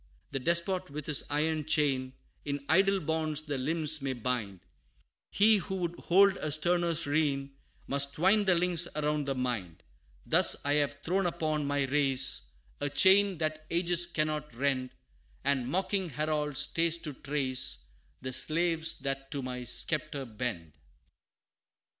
The despot with his iron chain, In idle bonds the limbs may bind He who would hold a sterner reign, Must twine the links around the mind. Thus I have thrown upon my race, A chain that ages cannot rend And mocking Harold stays to trace, The slaves that to my sceptre bend."